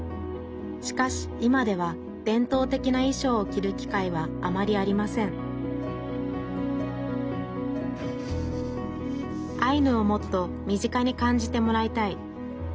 しかし今では伝統的ないしょうを着る機会はあまりありませんアイヌをもっと身近に感じてもらいたい。